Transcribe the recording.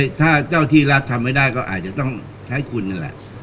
ถ้าเจ้าที่รัฐทำไม่ได้ก็อาจจะต้องใช้คุณนั่นแหละ